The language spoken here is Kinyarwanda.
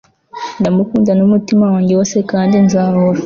Ndamukunda numutima wanjye wose kandi nzahora